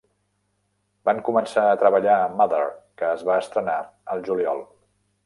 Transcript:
Van començar a treballar a "Mother", que es va estrenar al juliol.